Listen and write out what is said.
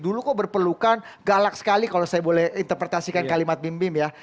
dulu kok berpelukan galak sekali kalau saya boleh interpretasikan kalimat bim bim ya